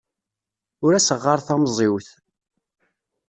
Ur as-ɣɣar tamẓiwt.